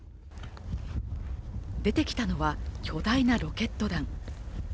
出てきたのは巨大なロケット弾。